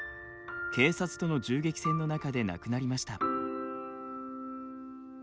警察との銃撃戦の中で亡くなりました。